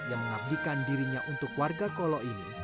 yang mengabdikan dirinya untuk warga kolo ini